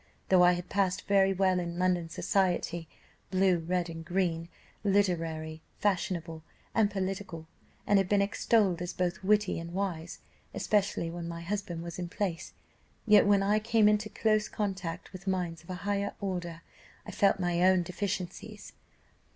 Though I had passed very well in London society, blue, red, and green, literary, fashionable, and political, and had been extolled as both witty and wise, especially when my husband was in place; yet when I came into close contact with minds of a higher order, I felt my own deficiencies.